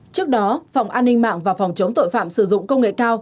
trước đó phòng an ninh mạng và phòng chống tội phạm sử dụng công nghệ cao